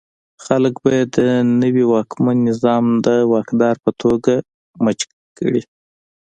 خلک به یې د نوي واکمن نظام د واکدار په توګه مچو کوي.